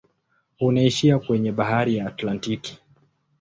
Unaishia kwenye bahari ya Atlantiki.